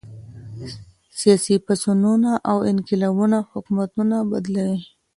سياسي پاڅونونه او انقلابونه حکومتونه بدلوي.